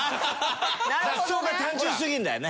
発想が単純すぎるんだよね。